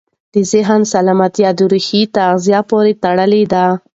د ذهن سالمتیا د روحي تغذیې پورې تړلې ده.